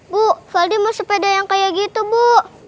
bu faldi mau sepeda yang kayak gitu bu